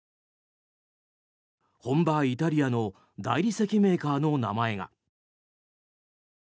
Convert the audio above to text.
本場イタリアの大理石メーカーの名前が。